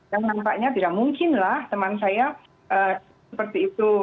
yang nampaknya tidak mungkin lah teman saya seperti itu